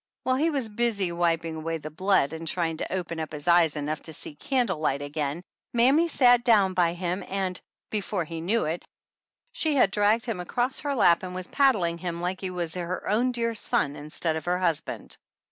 While he was busy wiping away the blood and trying to open his eyes enough to see candle light again, mammy sat down by him, and, before he knew it, she had dragged him across her lap and was paddling him like he was her own dear son instead of her husband.